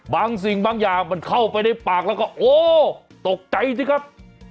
บางสิ่งบางอย่างมันเข้าไปในปากแล้วก็โอ้ตกใจสิครับ